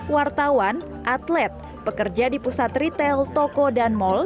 wartawan atlet pekerja di pusat retail toko dan mal